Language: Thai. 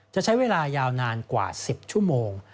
จะใช้เวลายาวนานกว่า๑๐ชั่วโมง